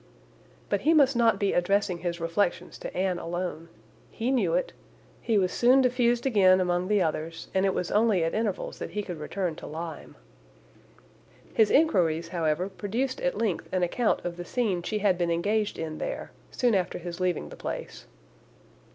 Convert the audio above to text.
But he must not be addressing his reflections to Anne alone: he knew it; he was soon diffused again among the others, and it was only at intervals that he could return to Lyme. His enquiries, however, produced at length an account of the scene she had been engaged in there, soon after his leaving the place.